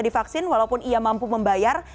divaksin walaupun ia mampu membayar